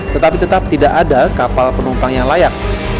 tetapi tetap tidak ada kapal penumpang yang layak